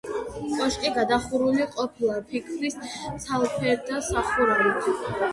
კოშკი გადახურული ყოფილა ფიქლის ცალფერდა სახურავით.